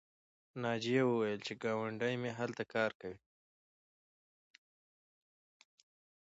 ناجیې وویل چې ګاونډۍ مې هلته کار کوي